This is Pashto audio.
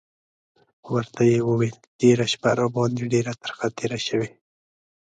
ورته یې وویل: تېره شپه راباندې ډېره ترخه تېره شوې.